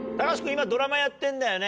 今ドラマやってんだよね。